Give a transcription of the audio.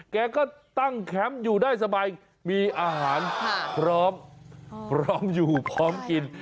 แกก็ตั่งแคมป์อยู่ได้สบายพร้อมอยู่พร้อมกิน